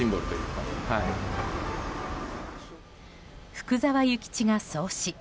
福沢諭吉が創始。